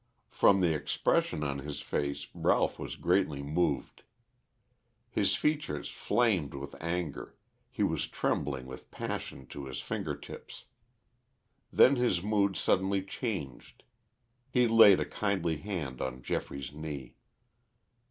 From the expression of his face Ralph was greatly moved. His features flamed with anger, he was trembling with passion to his finger tips. Then his mood suddenly changed. He laid a kindly hand on Geoffrey's knee.